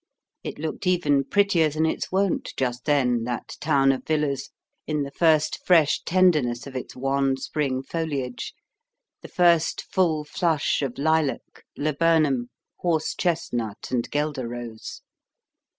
It looked even prettier than its wont just then, that town of villas, in the first fresh tenderness of its wan spring foliage, the first full flush of lilac, laburnum, horse chestnut, and guelder rose.